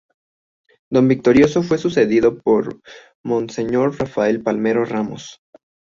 Don Victorio fue sucedido por Monseñor Rafael Palmero Ramos.